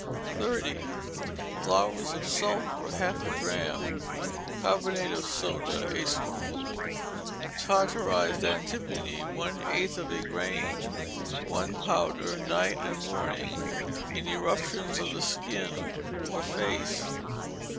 30. Flowers of sulphur, half a drachm; carbonate of soda, a scruple; tartarized antimony, one eighth of a grain: one powder, night and morning, in eruptions of the skin or face.